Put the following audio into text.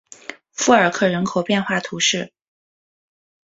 富尔克人口变化图示